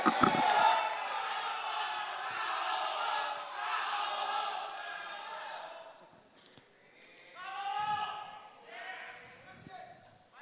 terima kasih pak